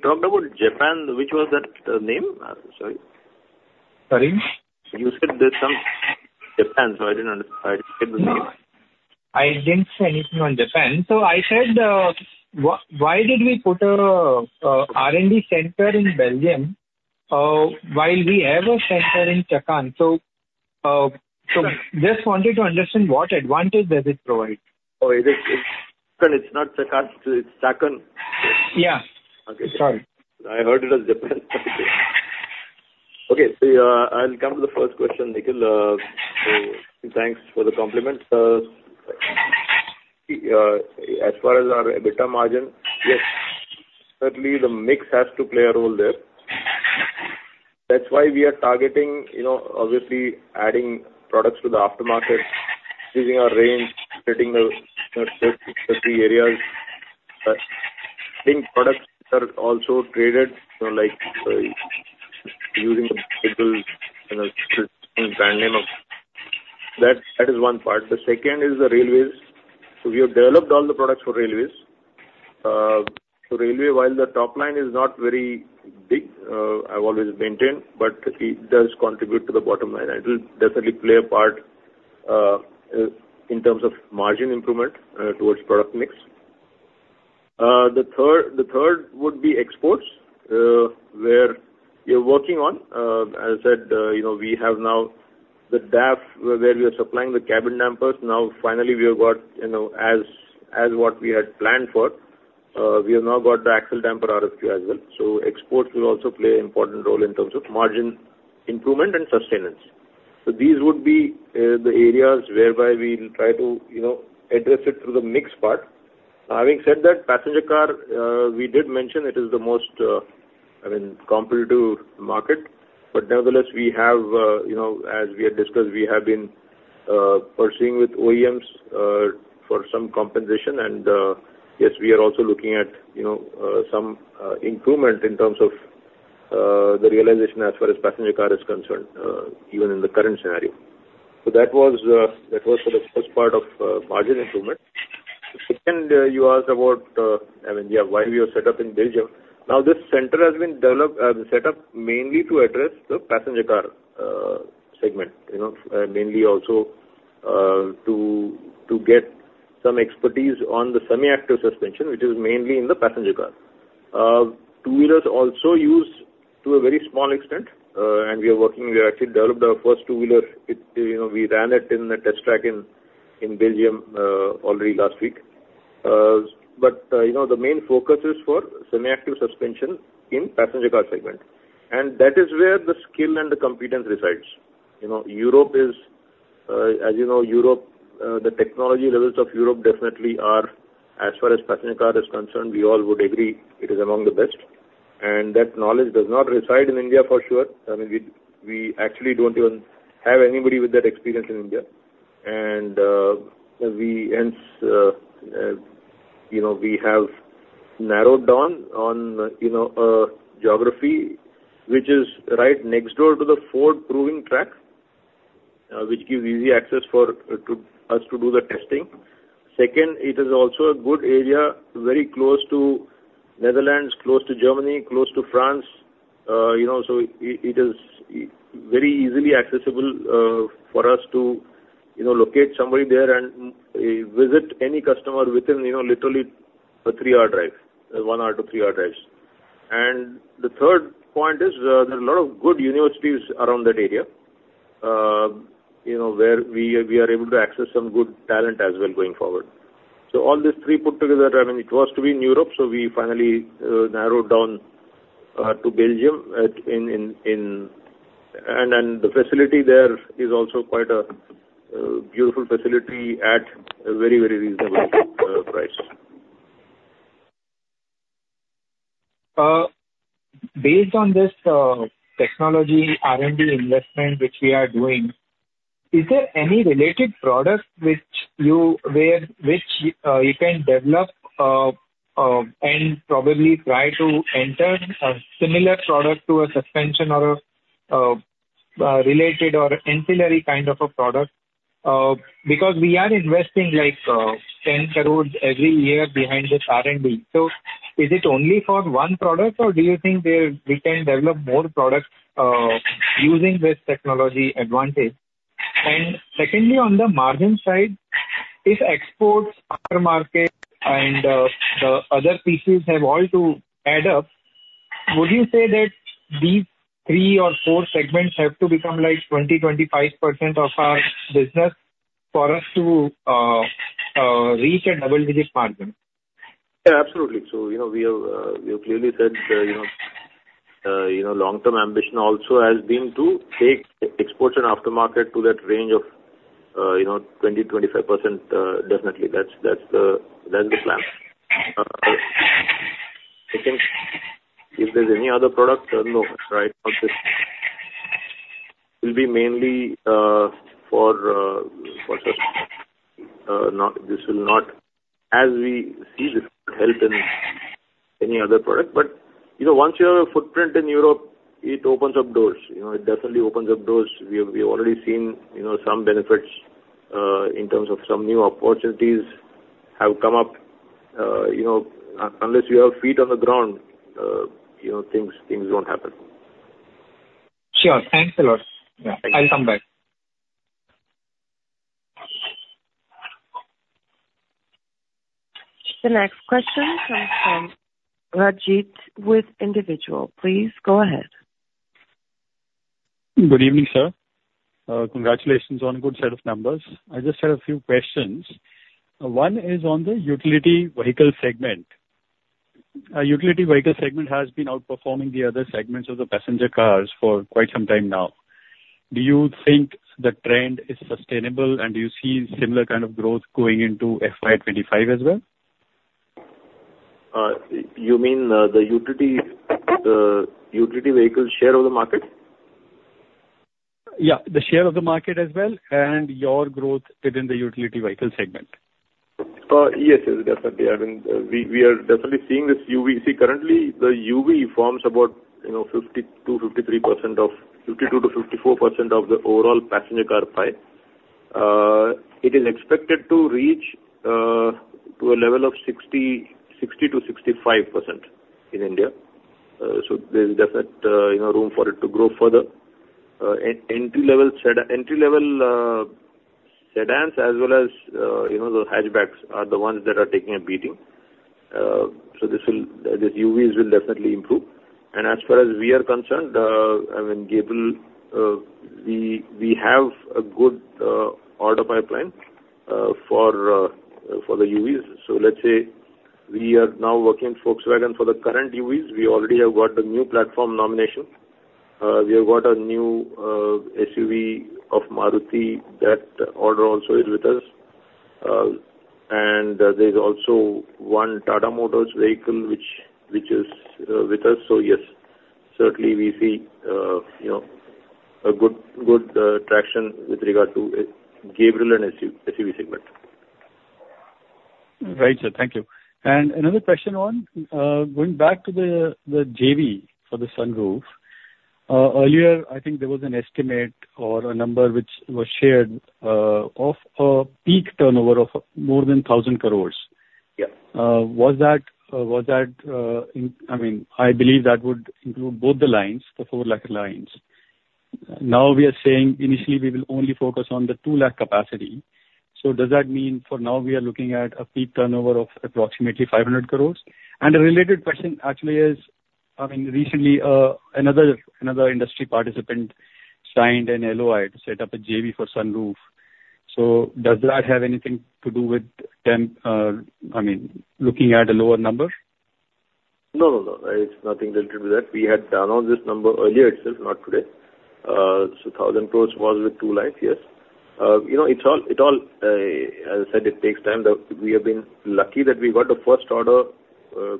B: talked about Japan, which was that name? Sorry.
D: Sorry?
B: You said there's some Japan, so I didn't understand—I didn't get the name.
D: I didn't say anything on Japan. So I said, why did we put a R&D center in Belgium while we have a center in Chakan? So just wanted to understand what advantage does it provide?
B: Oh, it is. It's not Chakan. It's Chakan.
D: Yeah.
B: Okay.
D: Sorry.
B: I heard it as Japan. Okay, so, I'll come to the first question, Nikhil. So thanks for the compliment. As far as our EBITDA margin, yes, certainly the mix has to play a role there. That's why we are targeting, you know, obviously, adding products to the aftermarket, using our range, hitting the three areas. But I think products are also traded, you know, like, using the people, you know, brand name of... That is one part. The second is the railways. So we have developed all the products for railways. So railway, while the top line is not very big, I've always maintained, but it does contribute to the bottom line, and it will definitely play a part in terms of margin improvement towards product mix. The third would be exports, where we're working on. As I said, you know, we have now the DAF, where we are supplying the cabin dampers. Now, finally, we have got, you know, as what we had planned for, we have now got the axle damper RFQ as well. So exports will also play an important role in terms of margin improvement and sustenance. So these would be the areas whereby we will try to, you know, address it through the mix part. Having said that, passenger car, we did mention it is the most, I mean, competitive market. But nevertheless, we have, you know, as we have discussed, we have been pursuing with OEMs for some compensation. Yes, we are also looking at, you know, some improvement in terms of the realization as far as passenger car is concerned, even in the current scenario. So that was, that was for the first part of margin improvement. The second, you asked about, I mean, yeah, why we are set up in Belgium. Now, this center has been developed, set up mainly to address the passenger car segment. You know, mainly also, to get some expertise on the semi-active suspension, which is mainly in the passenger car. Two-wheelers also use to a very small extent, and we are working, we actually developed our first two-wheeler. It, you know, we ran it in a test track in Belgium, already last week. But, you know, the main focus is for semi-active suspension in passenger car segment. And that is where the skill and the competence resides. You know, Europe is, as you know, Europe, the technology levels of Europe definitely are, as far as passenger car is concerned, we all would agree it is among the best, and that knowledge does not reside in India for sure. I mean, we actually don't even have anybody with that experience in India. And we hence, you know, we have narrowed down on, you know, geography, which is right next door to the Ford Proving Track, which gives easy access for, to, us to do the testing. Second, it is also a good area, very close to Netherlands, close to Germany, close to France, you know, so it is very easily accessible, for us to, you know, locate somebody there and, visit any customer within, you know, literally a three-hour drive, one hour to three-hour drives. And the third point is, there are a lot of good universities around that area, you know, where we are able to access some good talent as well going forward. So all these three put together, I mean, it was to be in Europe, so we finally narrowed down to Belgium. And the facility there is also quite a beautiful facility at a very, very reasonable price.
D: Based on this technology, R&D investment which we are doing, is there any related product which you can develop and probably try to enter a similar product to a suspension or a related or ancillary kind of a product? Because we are investing like 10 crore every year behind this R&D. So is it only for one product, or do you think we can develop more products using this technology advantage? And secondly, on the margin side, if exports, aftermarket and the other pieces have all to add up, would you say that these three or four segments have to become like 20-25% of our business for us to?
H: Reach a double-digit margin?
B: Yeah, absolutely. So, you know, we have, we have clearly said, you know, long-term ambition also has been to take e-exports and aftermarket to that range of, you know, 20%-25%. Definitely, that's, that's the plan. I think if there's any other product, no, right? Will be mainly, for, for, This will not, as we see this help in any other product, but, you know, once you have a footprint in Europe, it opens up doors. You know, it definitely opens up doors. We've already seen, you know, some benefits, in terms of some new opportunities have come up. You know, unless you have feet on the ground, you know, things don't happen.
A: The next question comes from Rajit with Individual. Please go ahead.
I: Good evening, sir. Congratulations on a good set of numbers. I just had a few questions. One is on the utility vehicle segment. Utility vehicle segment has been outperforming the other segments of the passenger cars for quite some time now. Do you think the trend is sustainable, and do you see similar kind of growth going into FY 25 as well?
B: You mean, the utility vehicle share of the market?
I: Yeah, the share of the market as well, and your growth within the utility vehicle segment.
B: Yes, yes, definitely. I mean, we are definitely seeing this UV. See, currently, the UV forms about, you know, 52, 53% of... 52%-54% of the overall passenger car pie. It is expected to reach to a level of 60, 60%-65% in India. So there's definitely, you know, room for it to grow further. Entry-level sedans, as well as, you know, the hatchbacks are the ones that are taking a beating. So this will, the UVs will definitely improve. And as far as we are concerned, I mean, Gabriel, we have a good order pipeline for the UVs. So let's say we are now working with Volkswagen for the current UVs. We already have got the new platform nomination. We have got a new SUV of Maruti. That order also is with us. And there's also one Tata Motors vehicle, which is with us. So yes, certainly we see, you know, a good, good traction with regard to Gabriel and SUV segment.
I: Right, sir. Thank you. Another question on, going back to the, the JV for the sunroof. Earlier, I think there was an estimate or a number which was shared, of a peak turnover of more than 1,000 crore.
B: Yeah.
I: I mean, I believe that would include both the lines, the 400,000 lines. Now, we are saying initially we will only focus on the 200,000 capacity. So does that mean for now we are looking at a peak turnover of approximately 500 crores? And a related question actually is, I mean, recently, another industry participant signed an LOI to set up a JV for sunroof. So does that have anything to do with them, I mean, looking at a lower number?
B: No, no, no. It's nothing to do with that. We had turned on this number earlier itself, not today. So thousand crores was with two lines, yes. You know, it's all, it all, as I said, it takes time, though we have been lucky that we got a first order,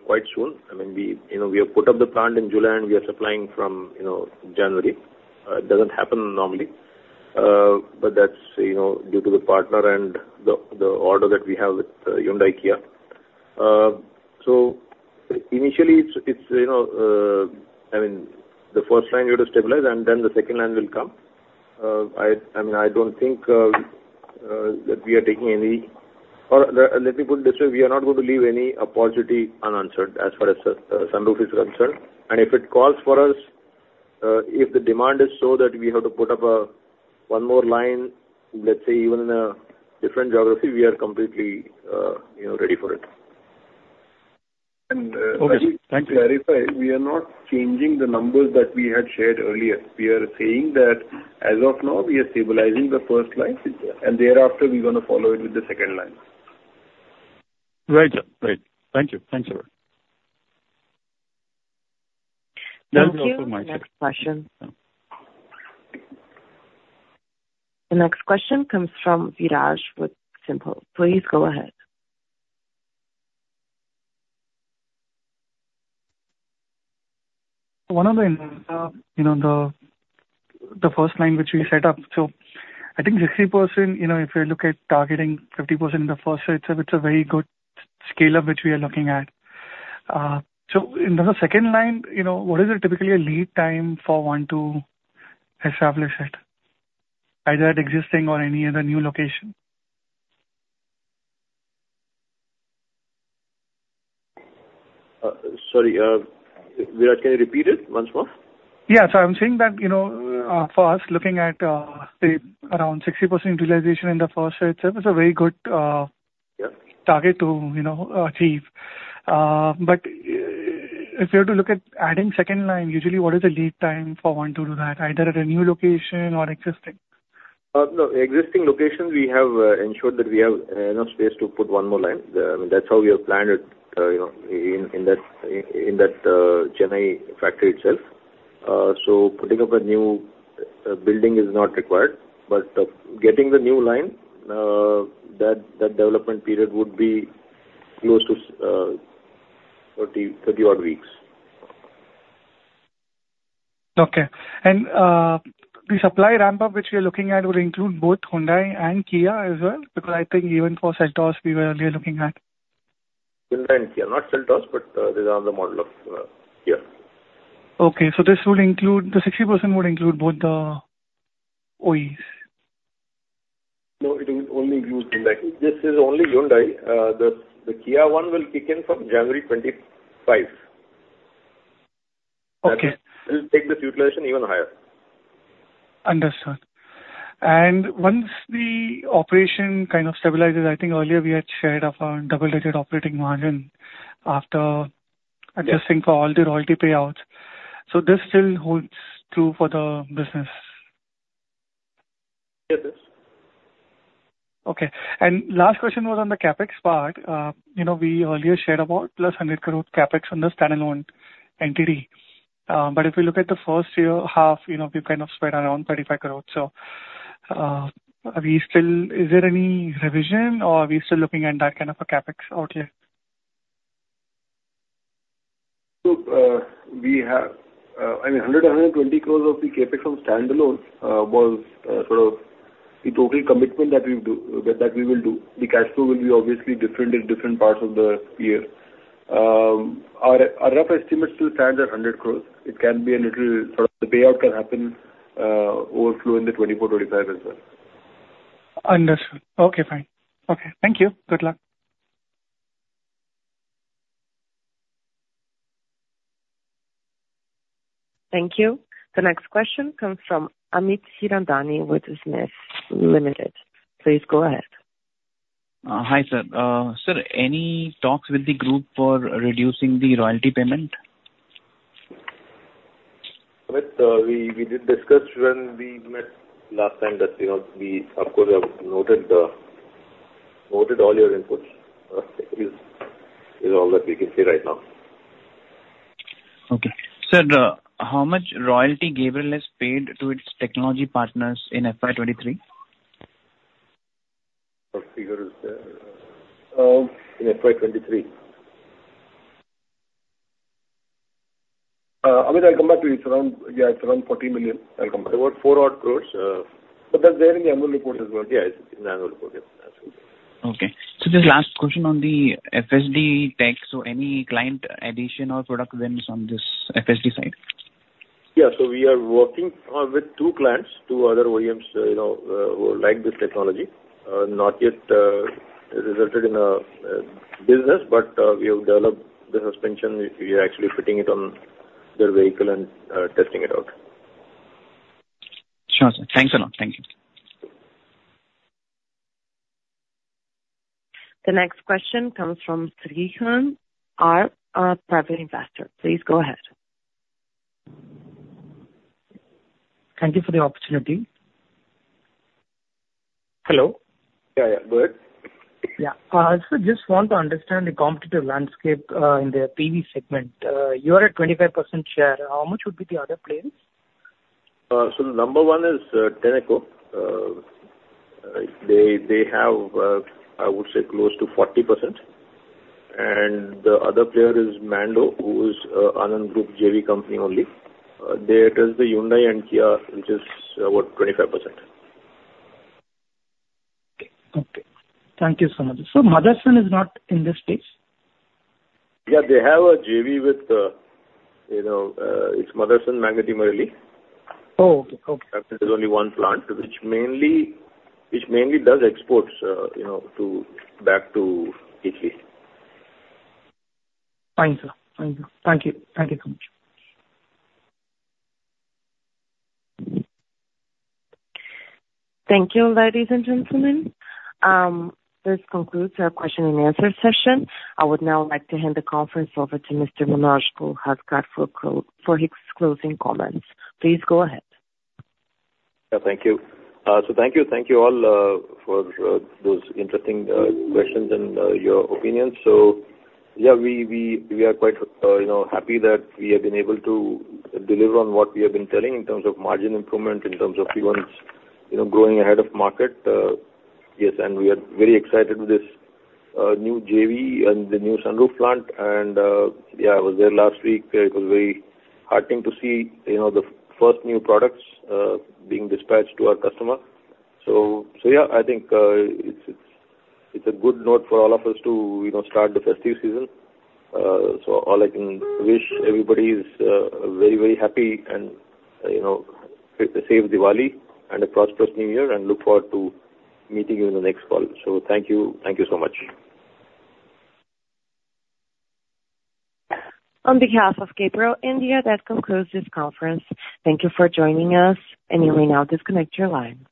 B: quite soon. I mean, we, you know, we have put up the plant in July, and we are supplying from, you know, January. It doesn't happen normally, but that's, you know, due to the partner and the, the order that we have with, Hyundai, Kia. So initially, it's, it's, you know, uh, I mean, the first line you have to stabilize, and then the second line will come. I mean, I don't think that we are taking any... Let me put it this way, we are not going to leave any opportunity unanswered as far as sunroof is concerned. And if it calls for us, if the demand is so that we have to put up one more line, let's say even in a different geography, we are completely, you know, ready for it. Okay. Thank you.
I: Clarify, we are not changing the numbers that we had shared earlier. We are saying that as of now, we are stabilizing the first line, and thereafter, we're gonna follow it with the second line.
B: Right, sir. Great. Thank you. Thanks a lot.
A: Thank you. Next question. The next question comes from Viraj, with SiMPL. Please go ahead.
D: One of the, you know, the first line which we set up. So I think 60%, you know, if you look at targeting 50% in the first, it's a very good scale of which we are looking at. So in the second line, you know, what is it typically a lead time for one to establish it, either at existing or any other new location?
B: Sorry, Viraj, can you repeat it once more?
D: Yeah. So I'm saying that, you know, for us, looking at, say, around 60% utilization in the first itself is a very good target to, you know, achieve. But if you were to look at adding second line, usually what is the lead time for one to do that, either at a new location or existing?
B: No, existing locations, we have ensured that we have enough space to put one more line. I mean, that's how we have planned it, you know, in that Chennai factory itself. So putting up a new building is not required. But getting the new line, that development period would be close to 30, 30 odd weeks.
D: Okay. And, the supply ramp-up, which we are looking at, would include both Hyundai and Kia as well? Because I think even for Seltos, we were earlier looking at.
B: Hyundai and Kia. Not Seltos, but, the other model of, Kia.
D: Okay, so this would include. The 60% would include both the OEs.
B: No, it will only include Hyundai. This is only Hyundai. The Kia one will kick in from January 2025. It'll take this utilization even higher.
D: Understood. And once the operation kind of stabilizes, I think earlier we had shared of a double-digit operating margin after adjusting for all the royalty payouts. So this still holds true for the business?
B: Yes, it is.
D: Okay. Last question was on the CapEx part. You know, we earlier shared about +100 crore CapEx on the standalone entity. But if we look at the first year half, you know, we've kind of spent around 35 crore. So, are we still? Is there any revision, or are we still looking at that kind of a CapEx out here?
B: We have, I mean, 120 crore of the CapEx on standalone, was, sort of the total commitment that we do, that, that we will do. The cash flow will be obviously different in different parts of the year. Our rough estimate still stands at 100 crore. It can be a little, sort of, the payout can happen, or flow in the 2024, 2025 as well.
D: Understood. Okay, fine. Okay. Thank you. Good luck.
A: Thank you. The next question comes from Amit Hiranandani with Smith Limited. Please go ahead.
E: Hi, sir. Sir, any talks with the group for reducing the royalty payment?
B: We did discuss when we met last time that, you know, we of course have noted all your inputs. Is all that we can say right now.
E: Okay. Sir, how much royalty Gabriel has paid to its technology partners in FY 23?
B: What figure is that? In FY 2023. Amit, I'll come back to you. It's around, yeah, it's around 40 million. I'll come back. About 4 crore, but that's there in the annual report as well. Yeah, it's in the annual report. Yeah.
E: Okay. So just last question on the FSD tech. So any client addition or product wins on this FSD side?
B: Yeah. So we are working with two clients, two other OEMs, you know, who like this technology. Not yet resulted in a business, but we have developed the suspension. We are actually fitting it on their vehicle and testing it out.
E: Sure, sir. Thanks a lot. Thank you.
A: The next question comes from Srihan, our private investor. Please go ahead.
H: Thank you for the opportunity. Hello?
B: Yeah. Yeah, go ahead.
H: Yeah. So just want to understand the competitive landscape in the PV segment. You are at 25% share. How much would be the other players?
B: So number one is Tenneco. They have, I would say, close to 40%. And the other player is Mando, who is Anand Group JV company only. They address the Hyundai and Kia, which is about 25%.
H: Okay. Thank you so much. So Motherson is not in this space?
B: Yeah, they have a JV with, you know, it's Motherson Magneti Marelli. There's only one plant, which mainly does exports, you know, to back to Italy.
H: Fine, sir. Thank you. Thank you. Thank you so much.
A: Thank you, ladies and gentlemen. This concludes our question and answer session. I would now like to hand the conference over to Mr. Manoj Kolhatkar for his closing comments. Please go ahead.
B: Yeah, thank you. So thank you, thank you all, for those interesting questions and your opinions. So yeah, we, we, we are quite, you know, happy that we have been able to deliver on what we have been telling in terms of margin improvement, in terms of sequentially, you know, growing ahead of market. Yes, and we are very excited with this new JV and the new sunroof plant. And yeah, I was there last week. It was very heartening to see, you know, the first new products being dispatched to our customer. So, so yeah, I think it's, it's, it's a good note for all of us to, you know, start the festive season. So all I can wish everybody is very, very happy and, you know, a safe Diwali and a prosperous new year, and look forward to meeting you in the next call. So thank you. Thank you so much.
A: On behalf of Gabriel India, that concludes this conference. Thank you for joining us, and you may now disconnect your lines.